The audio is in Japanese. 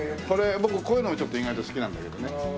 僕こういうのちょっと意外と好きなんだけどね。